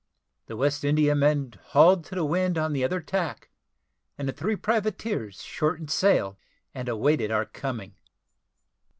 The West Indiamen hauled to the wind on the other tack, and the three privateers shortened sail and awaited our coming.